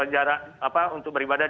jarak untuk beribadah